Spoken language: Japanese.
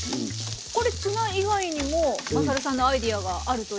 これツナ以外にもまさるさんのアイデアがあるというふうに。